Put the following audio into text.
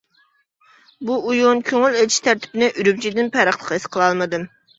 بۇ ئويۇن، كۆڭۈل ئېچىش تەرتىپىنى ئۈرۈمچىدىن پەرقلىق ھېس قىلالمىدىم.